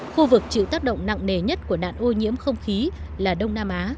khu vực chịu tác động nặng nề nhất của nạn ô nhiễm không khí là đông nam á